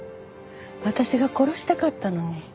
私が殺したかったのに。